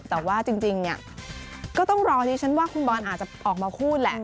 แต่ว่าจริงเนี่ยก็ต้องรอดิฉันว่าคุณบอลอาจจะออกมาพูดแหละ